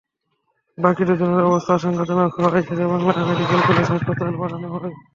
বাকি দুজনের অবস্থা আশঙ্কাজনক হওয়ায় শেরেবাংলা মেডিকেল কলেজ হাসপাতালে পাঠানো হয়।